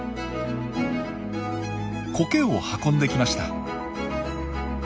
コケを運んできました。